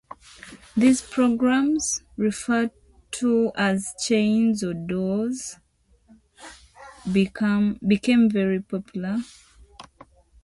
These programs - referred to as "chains" or "doors" - became very popular.